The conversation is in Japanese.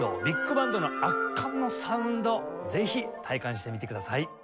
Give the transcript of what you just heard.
ビッグバンドの圧巻のサウンドぜひ体感してみてください。